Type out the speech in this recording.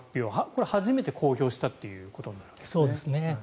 これは初めて公表したということになるわけですね。